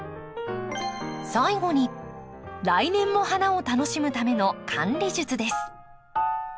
最後に来年も花を楽しむための管理術です。